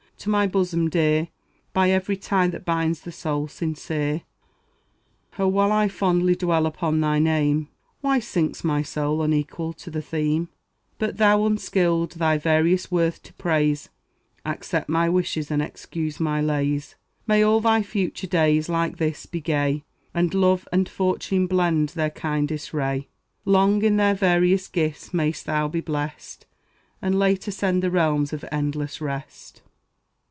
to my bosom dear By every tie that binds the soul sincere; O, while I fondly dwell upon thy name, Why sinks my soul, unequal to the theme? But though unskilled thy various worth to praise, Accept my wishes, and excuse my lays. May all thy future days, like this, be gay, And love and fortune blend their kindest ray; Long in their various gifts mayst thou be blessed, And late ascend the realms of endless rest.